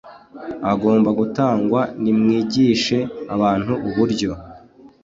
agomba gutangwa Nimwigishe abantu uburyo